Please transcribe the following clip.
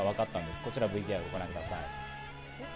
こちら、ＶＴＲをご覧ください。